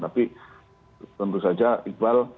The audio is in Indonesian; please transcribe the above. tapi tentu saja iqbal